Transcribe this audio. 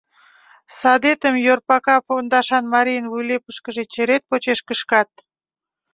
Садетым йорпака пондашан марийын вуйлепышкыже черет почеш кышкат.